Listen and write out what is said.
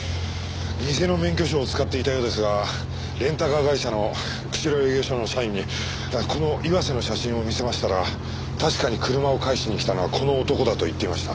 偽の免許証を使っていたようですがレンタカー会社の釧路営業所の社員にこの岩瀬の写真を見せましたら確かに車を返しに来たのはこの男だと言っていました。